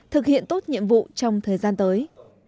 thực hiện tốt nhiệm vụ trong thời gian tới